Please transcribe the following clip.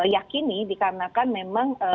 yakini dikarenakan memang